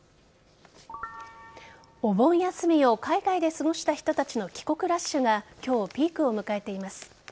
お盆休みを海外で過ごした人たちの帰国ラッシュが今日、ピークを迎えています。